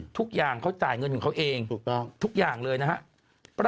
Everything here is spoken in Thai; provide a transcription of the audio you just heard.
ทุกอย่างเขาจ่ายเงินของเขาเองถูกต้องทุกอย่างเลยนะครับ